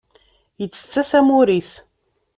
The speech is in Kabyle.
Yettett-as amur-is.